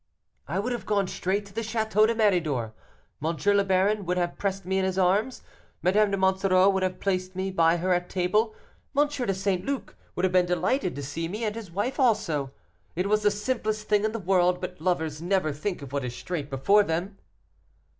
"I would have gone straight to the Château de Méridor. M. le Baron would have pressed me in his arms, Madame de Monsoreau would have placed me by her at table, M. de St. Luc would have been delighted to see me, and his wife also. It was the simplest thing in the world, but lovers never think of what is straight before them."